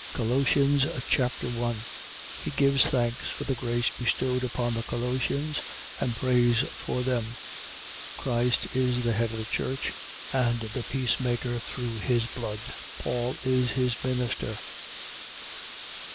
Colossians Chapter 1 He gives thanks for the grace bestowed upon the Colossians and prays for them. Christ is the head of the church and the peacemaker through his blood. Paul is his minister.